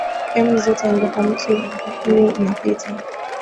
emu zote ambapo mto huu unapita